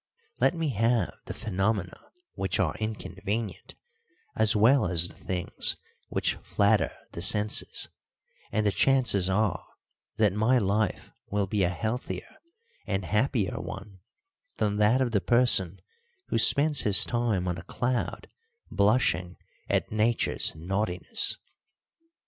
Let me have the phenomena which are inconvenient as well as the things which flatter the senses, and the chances are that my life will be a healthier and happier one than that of the person who spends his time on a cloud blushing at Nature's naughtiness.